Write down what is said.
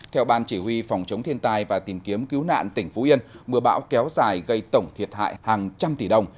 theo ban chỉ huy phòng chống thiên tai và tìm kiếm cứu nạn tỉnh phú yên mưa bão kéo dài gây tổng thiệt hại hàng trăm tỷ đồng